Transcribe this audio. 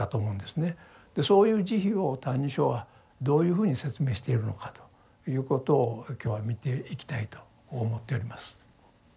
そういう「慈悲」を「歎異抄」はどういうふうに説明しているのかということを今日は見ていきたいと思っております。